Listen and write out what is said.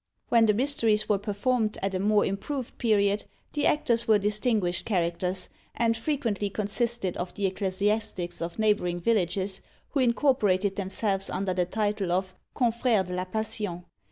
When the Mysteries were performed at a more improved period, the actors were distinguished characters, and frequently consisted of the ecclesiastics of the neighbouring villages, who incorporated themselves under the title of Confrères de la Passion.